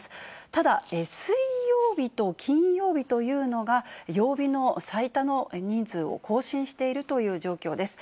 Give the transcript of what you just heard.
ただ、水曜日と金曜日というのが、曜日の最多の人数を更新しているという状況です。